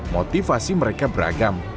motivasi mereka beragam